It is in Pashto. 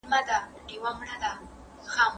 لپاره تر لیکلو مناسب دي.